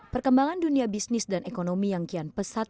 perkembangan dunia bisnis dan ekonomi yang kian pesat